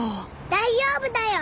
大丈夫だよ。